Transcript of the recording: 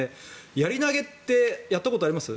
やり投ってやったことあります？